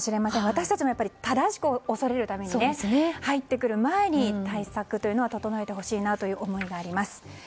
私たちも正しく恐れるために入ってくる前に対策というのは整えてほしいという思いがあります。